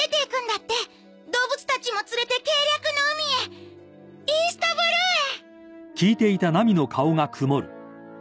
動物たちも連れて計略の海へイーストブルーへ！